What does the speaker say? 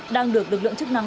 đang được lực lượng chức năng